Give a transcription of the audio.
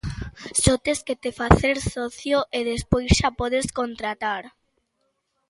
Só tes que te facer socio e despois xa podes contratar.